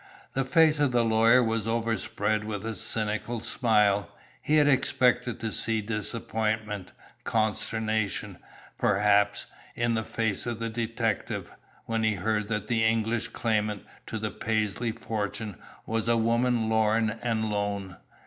The face of the lawyer was overspread with a cynical smile. He had expected to see disappointment, consternation, perhaps, in the face of the detective, when he heard that the English claimant to the Paisley fortune was a woman lorn and lone.